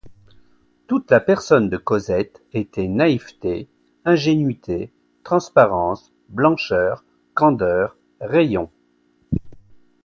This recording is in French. Toute la personne de Cosette était naïveté, ingénuité, transparence, blancheur, candeur, rayon.